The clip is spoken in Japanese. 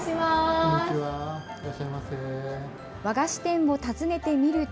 和菓子店を訪ねてみると。